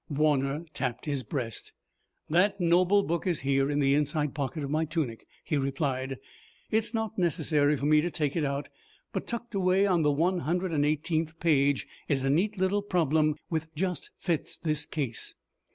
Warner tapped his breast. "That noble book is here in the inside pocket of my tunic," he replied. "It's not necessary for me to take it out, but tucked away on the 118th page is a neat little problem which just fits this case.